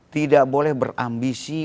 tidak boleh berambisi